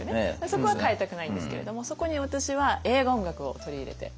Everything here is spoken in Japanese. そこは変えたくないんですけれどもそこに私は映画音楽を取り入れて。